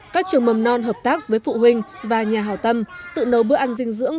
các trường mầm non hợp tác với phụ huynh và nhà hảo tâm tự nấu bữa ăn dinh dưỡng